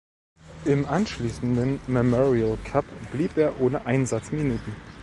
Im anschließenden Memorial Cup blieb er ohne Einsatzminuten.